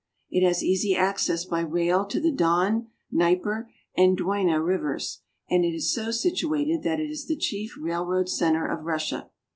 It has easy access by rail to the Don, Dnieper, and Dwina rivers, and is so situated that it is the chief railroad center of Russia.